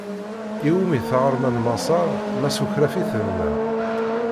I wumi taɣerma n Maṣaṛ ma s ukraf i tebna.